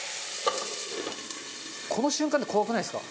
この瞬間って怖くないですか？